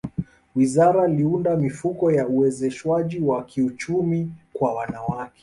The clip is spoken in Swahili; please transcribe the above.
wizara liunda mifuko ya uwezeshwaji wa kiuchumi kwa wanawake